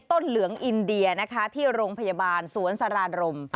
ต้นเหลืองอินเดียที่โรงพยาบาลสวนสรานรม